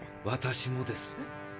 私もです。